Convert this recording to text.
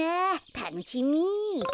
たのしみ。